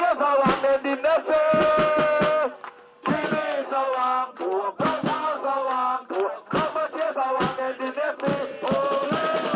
โอเลโอเลโอเล